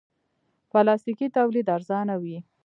پلاستيکي تولید ارزانه وي.